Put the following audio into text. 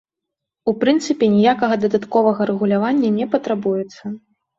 У прынцыпе ніякага дадатковага рэгулявання не патрабуецца.